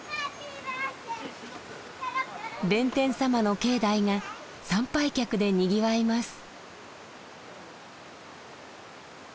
弁天様の境内が参拝客でにぎわいます。